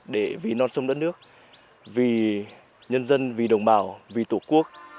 để vì non sông đất nước vì nhân dân vì đồng bào vì tổ quốc